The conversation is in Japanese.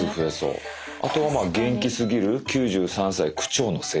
「あとは元気すぎる９３歳区長の生活」。